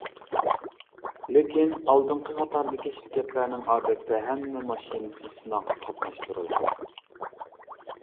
لېكىن ئالدىنقى قاتاردىكى شىركەتلەرنىڭ ئادەتتە ھەممە ماشىنىسى سىناققا قاتناشتۇرۇلغان.